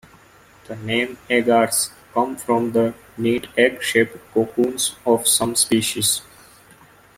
The name 'eggars' comes from the neat egg-shaped cocoons of some species.